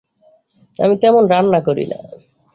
আমি তেমন রান্না করি না।